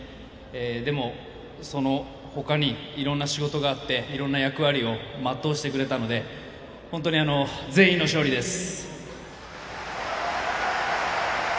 でも、その他にいろんな仕事があっていろんな役割を全うしてくれたので本当に全員の勝利です。